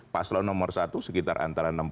paslon nomor satu sekitar antara